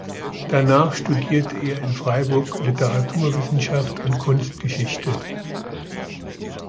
Danach studierte er in Freiburg Literaturwissenschaft und Kunstgeschichte.